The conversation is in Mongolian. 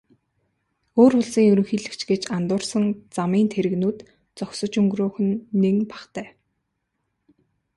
Өөр улсын ерөнхийлөгч гэж андуурсан замын тэрэгнүүд зогсож өнгөрөөх нь нэн бахтай.